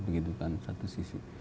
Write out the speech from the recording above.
begitu kan satu sisi